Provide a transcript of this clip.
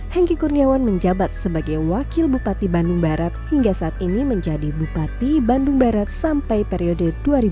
hengki kurniawan menjabat sebagai wakil bupati bandung barat hingga saat ini menjadi bupati bandung barat sampai periode dua ribu dua puluh